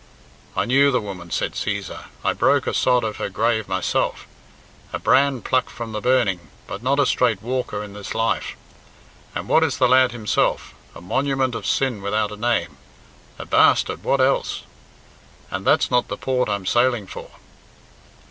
"I knew the woman," said Cæsar; "I broke a sod of her grave myself. A brand plucked from the burning, but not a straight walker in this life. And what is the lad himself? A monument of sin without a name. A bastard, what else? And that's not the port I'm sailing for."